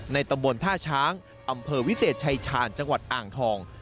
ตำบลท่าช้างอำเภอวิเศษชายชาญจังหวัดอ่างทอง